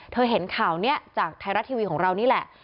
เธอเห็นข่าวเนี่ยจากไทรัติวีของเรานี่แหละ